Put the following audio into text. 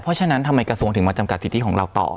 เพราะฉะนั้นทำไมกระทรวงถึงมาจำกัดสิทธิของเราต่อ